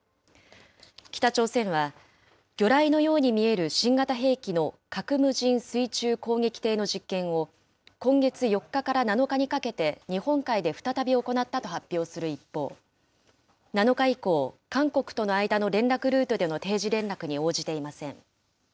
北朝鮮は、魚雷のように見える新型兵器の核無人水中攻撃艇の実験を、今月４日から７日にかけて日本海で再び行ったと発表する一方、７日以降、韓国との間の連絡ルートでの定時連絡に応じていません。